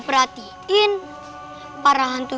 pak rt ya pak rt